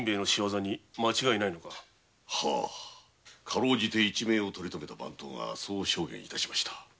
かろうじて一命を取りとめた番頭がそう証言致しました。